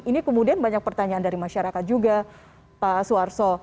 ini kemudian banyak pertanyaan dari masyarakat juga pak suarso